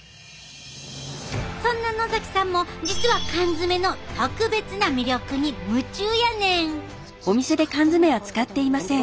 そんな野さんも実は缶詰の特別な魅力に夢中やねん。